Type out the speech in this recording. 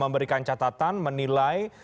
memberikan catatan menilai